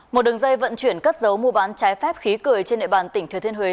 một đường dây vận chuyển cất dấu mua bán trái phép khí cười trên nệ bàn tỉnh thừa thiên huế